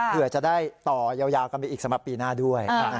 เผื่อจะได้ต่อยาวกันไปอีกสำหรับปีหน้าด้วย